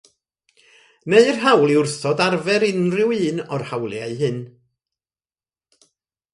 Neu'r hawl i wrthod arfer unrhyw un o'r hawliau hyn.